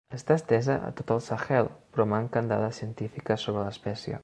Està estesa a tot el Sahel però manquen dades científiques sobre l'espècie.